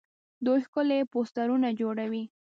دوی ښکلي پوسټرونه جوړوي.